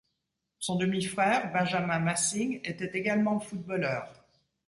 Son demi-frère, Benjamin Massing, était également footballeur.